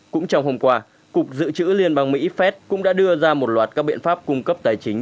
cũng trong hôm qua cục dự trữ liên bang mỹ phép cũng đã đưa ra một loạt các biện pháp cung cấp tài chính